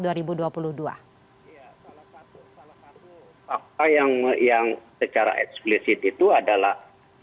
ya salah satu fakta yang secara eksplisit itu adalah